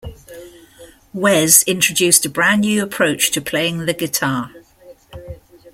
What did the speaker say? Wes introduced a brand new approach to playing the guitar.